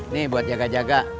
nih buat jaga jaga